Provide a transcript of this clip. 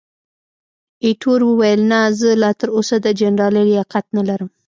ایټور وویل، نه، زه لا تراوسه د جنرالۍ لیاقت نه لرم.